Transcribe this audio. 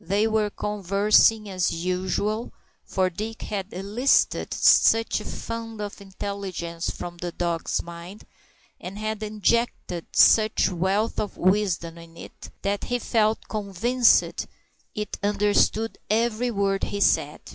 They were conversing as usual, for Dick had elicited such a fund of intelligence from the dog's mind, and had injected such wealth of wisdom into it, that he felt convinced it understood every word he said.